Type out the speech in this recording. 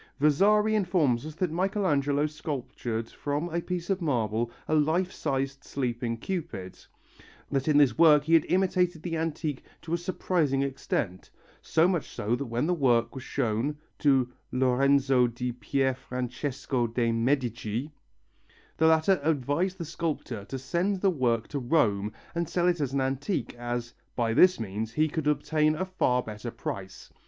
Vasari informs us that Michelangelo sculptured from a piece of marble a life sized sleeping Cupid, that in this work he had imitated the antique to a surprising extent; so much so that when the work was shown to Lorenzo di Pierfrancesco de' Medici the latter advised the sculptor to send the work to Rome and sell it as an antique, as "by this means he could obtain a far better price."